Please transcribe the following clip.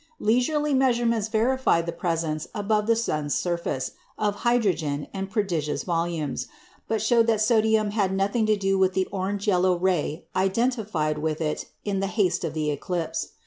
Leisurely measurements verified the presence above the sun's surface of hydrogen in prodigious volumes, but showed that sodium had nothing to do with the orange yellow ray identified with it in the haste of the eclipse.